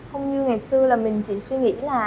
không như ngày xưa là mình chỉ suy nghĩ là